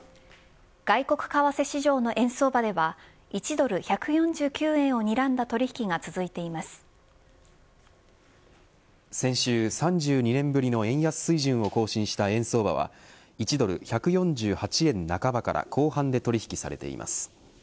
外国為替市場の円相場では１ドル１４９円をにらんだ取り引きが続い先週、３２年ぶりの円安水準を更新した円相場は１ドル１４８円半ばから後半で取引されています。